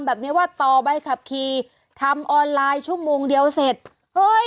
แบบนี้ว่าต่อใบขับขี่ทำออนไลน์ชั่วโมงเดียวเสร็จเฮ้ย